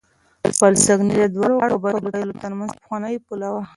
پل سنګي د دواړو قبيلو ترمنځ پخوانۍ پوله وه.